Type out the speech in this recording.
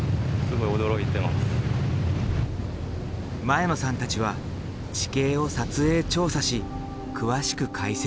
前野さんたちは地形を撮影調査し詳しく解析。